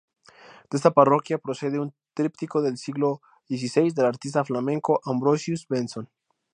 De esta parroquia procede un tríptico del siglo xvi del artista flamenco Ambrosius Benson.